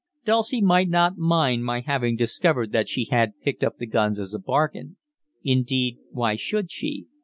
Dulcie might not mind my having discovered that she had picked up the guns as a bargain indeed, why should she?